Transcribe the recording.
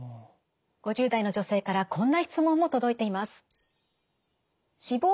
５０代の女性からこんな質問も届いています。